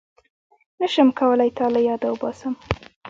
نشم کولای تا له ياده وباسم